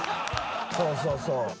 そうそうそう。